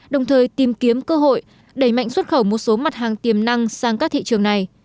đồng thời tìm kiếm cơ hội đẩy mạnh xuất khẩu một số mặt hàng tiềm năng sang các thị trường này